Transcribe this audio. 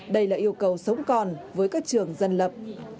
đây là yêu cầu sống còn với các trường dân lập